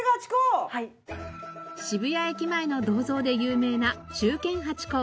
渋谷駅前の銅像で有名な忠犬ハチ公。